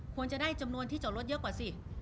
ควรจะได้จำนวนที่จอดรถเยอะกว่าสิ